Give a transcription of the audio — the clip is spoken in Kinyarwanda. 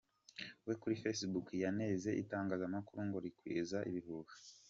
We kuri Facebook yanenze itangazamakuru ngo ‘rikwiza ibihuha’.